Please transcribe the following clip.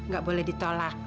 gak boleh ditolak